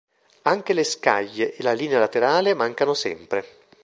Anche le scaglie e la linea laterale mancano sempre.